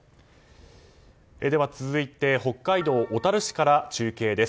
続いて北海道小樽市から中継です。